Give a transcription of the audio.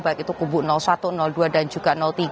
baik itu kubu satu dua dan juga tiga